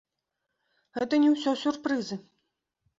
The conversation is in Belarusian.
Гэта не ўсё сюрпрызы!